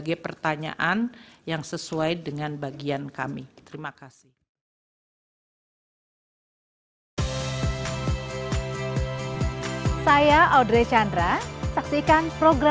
dan yang tahun dua ribu dua puluh empat resursi yang merupakan bagian dari perlindungan sosial mengalami kenaikan terutama untuk subsidi energi